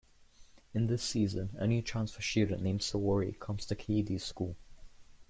In this season a new transfer student named Saori comes to Kaede's school.